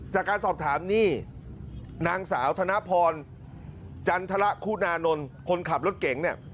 จากการสอบถามนี่นางสาวธนพรจันทรคุณานนท์คนขับรถเก่งเนี่ย